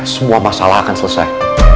semua masalah akan selesai